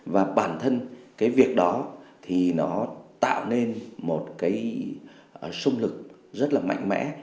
và bản thân cái việc đó thì nó tạo nên một cái sung lực rất là mạnh mẽ